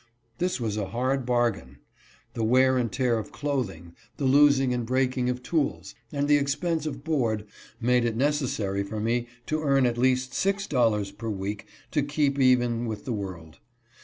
This was a hard bargain. The wear and tear of clothing, the losing and breaking of tools, and the expense of board, made it necessary for me to earn at least six dollars per week to keep even with the world.